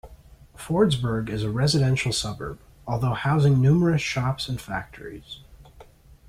Fordsburg is a residential suburb, although housing numerous shops and factories.